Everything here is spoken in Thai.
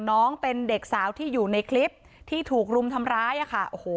น้องเป็นเด็กสาวที่อยู่ในคลิปที่ถูกรุมทำร้ายอ่ะค่ะโอ้โห